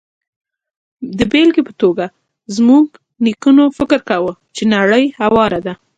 د بېلګې په توګه، زموږ نیکونو فکر کاوه چې نړۍ هواره ده.